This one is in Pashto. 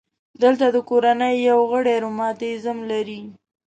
دلته د کورنۍ یو غړی رماتیزم لري.